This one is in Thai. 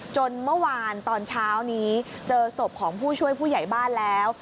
จนเมื่อวานตอนเช้านี้เจอศพของผู้ช่วยผู้ใหญ่บ้านแล้ว